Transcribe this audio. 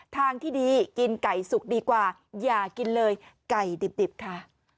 ทางที่ดีกินไก่สุกดีกว่าอย่ากินเลยไก่ดิบค่ะ